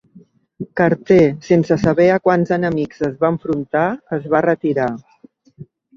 Carter, sense saber a quants enemics es va enfrontar, es va retirar.